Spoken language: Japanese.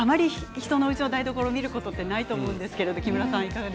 人のうちの台所、見ることはないと思うんですが。